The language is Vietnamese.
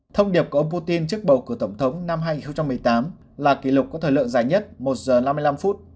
thông điệp của ông putin trước bầu cử tổng thống năm hai nghìn một mươi tám là kỷ lục có thời lượng dài nhất một giờ năm mươi năm phút